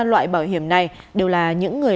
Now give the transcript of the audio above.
loại bảo hiểm này đều là những người